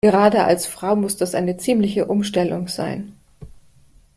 Gerade als Frau muss das eine ziemliche Umstellung sein.